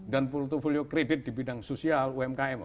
dan portfolio kredit di bidang sosial umkm